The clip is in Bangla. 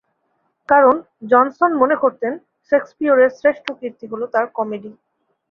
কারণ, জনসন মনে করতেন, শেকসপিয়রের শ্রেষ্ঠ কীর্তি হল তাঁর কমেডি।